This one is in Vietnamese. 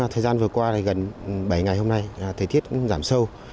thời gian vừa qua gần bảy ngày hôm nay thời tiết cũng giảm sâu